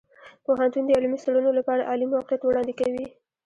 پوهنتون د علمي څیړنو لپاره عالي موقعیت وړاندې کوي.